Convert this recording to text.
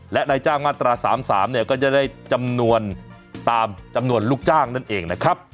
และนายจ้างมาตรา๓๓เนี่ยก็จะได้จำนวนตามจำนวนลูกจ้างนั่นเองนะครับ